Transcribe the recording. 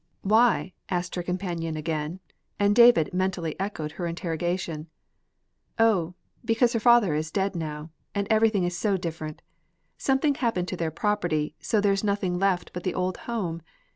"Why?" asked her companion again, and David mentally echoed her interrogation. "O, because her father is dead now, and everything is so different. Something happened to their property, so there's nothing left but the old home.